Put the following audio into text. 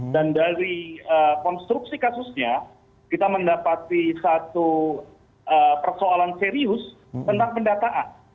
dan dari konstruksi kasusnya kita mendapati satu persoalan serius tentang pendataan